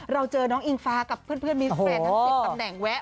เราเจอน้องอิงฟ้ากับเพื่อนมิสเฟรนดทั้ง๑๐ตำแหน่งแวะ